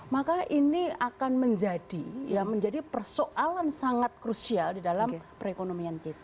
maka ini akan menjadi persoalan sangat krusial di dalam perekonomian kita